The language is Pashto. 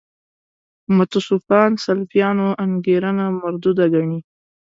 متصوفان سلفیانو انګېرنه مردوده ګڼي.